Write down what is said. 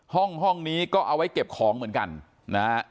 ห้องนี้ก็เอาไว้เก็บของเหมือนกันนะฮะ